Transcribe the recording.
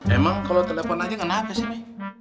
emang kalau telepon aja kenapa sih bu